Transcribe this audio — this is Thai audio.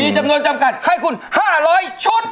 แต่โถคะไปที่๑๒๓๑๕